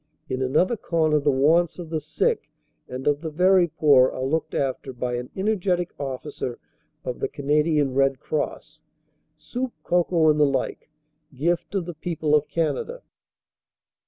In another corner the wants of the sick and of the very poor are looked after by an energetic officer of the Canadian Red Cross soup, cocoa, and the like, gift of the people of Canada.